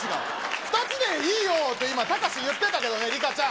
２つでいいよって、今、たかし言ってたけど、りかちゃん。